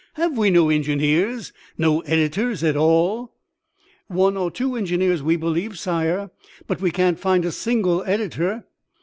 Have we no engineers, no editors at all." "One or two engineers, we believe, sire, but we can't find a single editor."